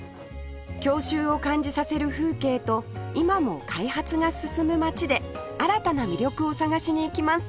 郷愁を感じさせる風景と今も開発が進む町で新たな魅力を探しに行きます